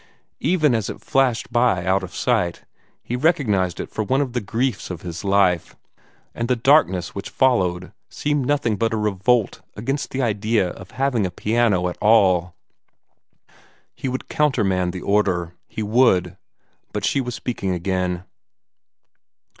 Even as it flashed by out of sight, he recognized it for one of the griefs of his life; and the darkness which followed seemed nothing but a revolt against the idea of having a piano at all. He would countermand the order. He would but she was speaking again.